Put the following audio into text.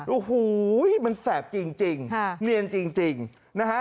โอ้โหมันแสบจริงเนียนจริงนะฮะ